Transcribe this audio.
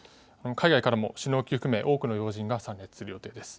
海外からも首脳級含め、多くの要人が参列する予定です。